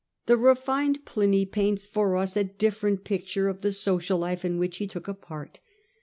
The re fined Pliny paints for us a different picture of the social life in which he took a part.